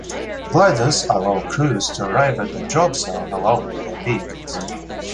Gliders allow crews to arrive at the drop zone along with their vehicles.